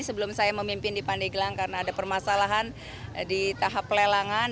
sebelum saya memimpin di pandeglang karena ada permasalahan di tahap lelangan